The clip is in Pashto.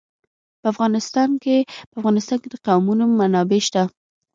په افغانستان کې د قومونه منابع شته.